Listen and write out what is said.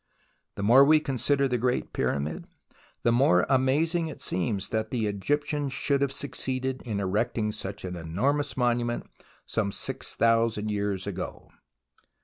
The more we consider the Great Pyramid, the more amazing it seems that the Eg5^tians should have succeeded in erecting such an enormous monu ment some six thousand years ago.